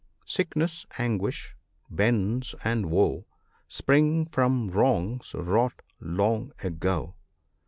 Sickness, anguish, bonds, and woe, Spring from wrongs wrought long ago.